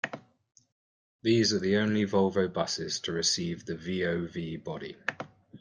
These are the only Volvo buses to receive the VoV body.